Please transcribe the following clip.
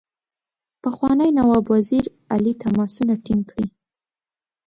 پخواني نواب وزیر علي تماسونه ټینګ کړي.